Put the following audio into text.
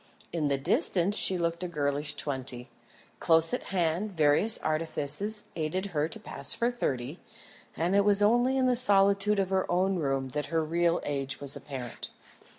In the distance she looked a girlish twenty; close at hand various artifices aided her to pass for thirty; and it was only in the solitude of her own room that her real age was apparent.